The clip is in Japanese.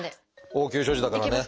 応急処置だからね。